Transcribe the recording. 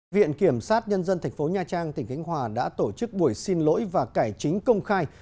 viện kiểm sát nhân dân tp nha trang tỉnh khánh hòa đã tổ chức buổi xin lỗi và cải chính công khai